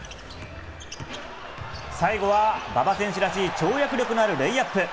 最後は馬場選手らしい跳躍力のあるレイアップ。